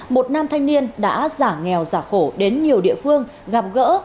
một nam thanh niên đã giả nghèo giả khổ đến nhiều địa phương gặp gỡ